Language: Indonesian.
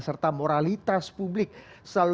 serta moralitas publik selalu